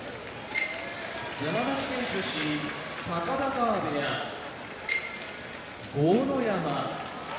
山梨県出身高田川部屋豪ノ山